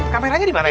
kameranya dimana ya